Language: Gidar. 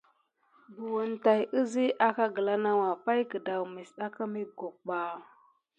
Bukine tay kizikia aka gəla nawua pay gedamase àka mekok ɓa.